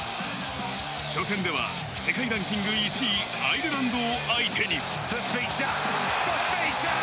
初戦では世界ランキング１位、アイルランドを相手に。